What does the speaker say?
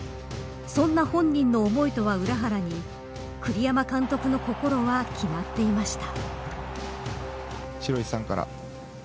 そんな本人の思いとは裏腹に栗山監督の心は決まっていました。